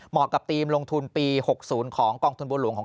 เหมาะกับธีมลงทุนปี๖๐ของกองธุ์นบ่วนหลวง